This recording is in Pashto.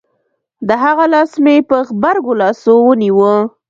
د هغه لاس مې په غبرگو لاسو ونيو.